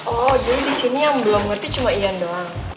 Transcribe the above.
oh jadi di sini yang belum ngerti cuma ian doang